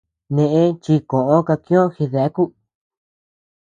Neʼe chi koʼö kakiö jideaku.